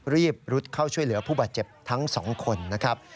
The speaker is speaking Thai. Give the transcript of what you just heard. รุดเข้าช่วยเหลือผู้บาดเจ็บทั้ง๒คนนะครับ